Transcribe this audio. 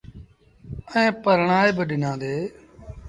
ائيٚݩ پرڻآئي با ڏنآݩدي۔